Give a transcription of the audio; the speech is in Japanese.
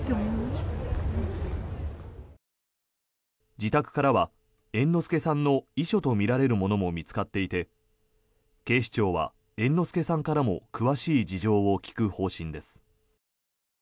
自宅からは猿之助さんの遺書とみられるものも見つかっていて警視庁は猿之助さんからも詳しい事情を聴く方針です。